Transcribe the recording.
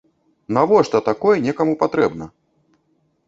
Навошта такое некаму патрэбна?